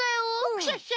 クシャシャ！